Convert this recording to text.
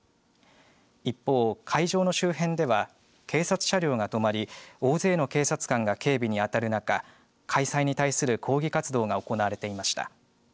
一方、会場の周辺では警察車両が止まり大勢の警察官が警備に当たる中開催に対する抗議活動が行われていました。